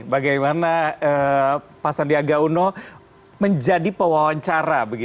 bagaimana pak sandiaga uno menjadi pewawancara